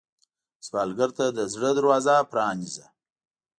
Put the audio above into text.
سوالګر ته د زړه دروازه پرانیزه